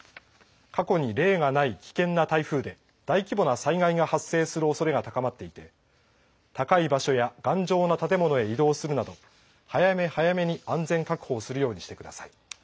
過去に例がない危険な台風で大規模な災害が発生するおそれが高まっていて高い場所や頑丈な建物へ移動するなど早め早めに安全確保をするようにしてください。